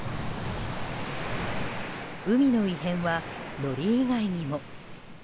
海の異変は、のり以外にも。